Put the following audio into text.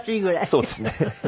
そうですね。